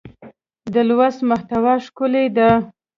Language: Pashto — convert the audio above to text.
د لوست محتوا ښکلې ده.